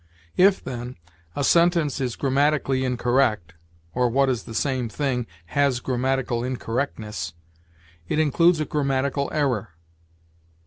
If, then, a sentence is grammatically incorrect, or, what is the same thing, has grammatical incorrectness, it includes a GRAMMATICAL ERROR.